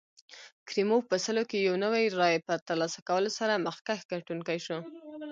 کریموف په سلو کې یو نوي رایې په ترلاسه کولو سره مخکښ ګټونکی شو.